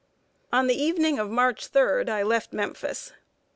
] On the evening of March 3d I left Memphis.